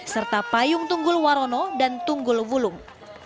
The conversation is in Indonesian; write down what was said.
serta payung tunggul warono dan tunggul wulung